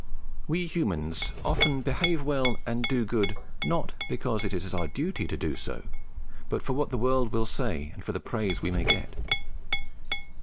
We humans often behave well and do good, not because it is our duty so to do, but for what the world will say and for the praise we may get.